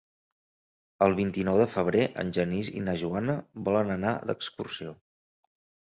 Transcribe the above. El vint-i-nou de febrer en Genís i na Joana volen anar d'excursió.